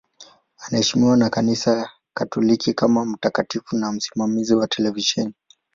Anaheshimiwa na Kanisa Katoliki kama mtakatifu na msimamizi wa televisheni.